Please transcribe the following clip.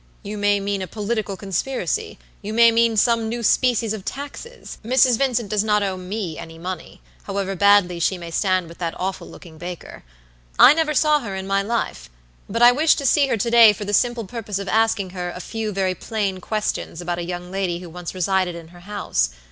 You may mean a political conspiracy; you may mean some new species of taxes. Mrs. Vincent does not owe me any money, however badly she may stand with that awful looking baker. I never saw her in my life; but I wish to see her to day for the simple purpose of asking her a few very plain questions about a young lady who once resided in her house.